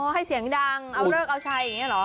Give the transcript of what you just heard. อ๋อให้เสียงดังเอาเลิกเอาใสอย่างเนี่ยหรอ